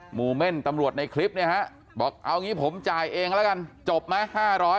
เม่นตำรวจในคลิปเนี่ยฮะบอกเอางี้ผมจ่ายเองแล้วกันจบไหม๕๐๐